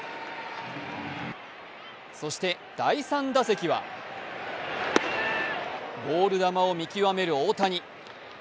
そして第３打席はボール球を見極める大谷。